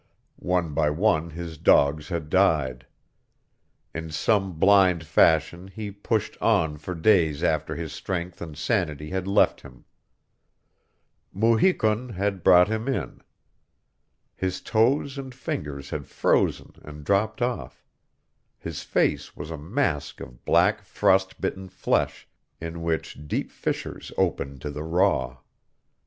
One by one his dogs had died. In some blind fashion he pushed on for days after his strength and sanity had left him. Mu hi kun had brought him in. His toes and fingers had frozen and dropped off; his face was a mask of black frost bitten flesh, in which deep fissures opened to the raw.